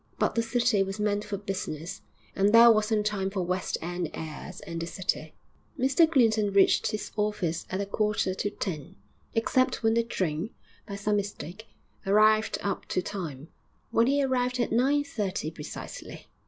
But the city was meant for business, and there wasn't time for West end airs in the city. Mr Clinton reached his office at a quarter to ten, except when the train, by some mistake, arrived up to time, when he arrived at nine thirty precisely.